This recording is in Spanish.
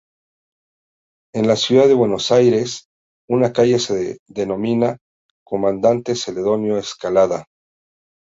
En la ciudad de Buenos Aires, una calle se denomina "Comandante Celedonio Escalada".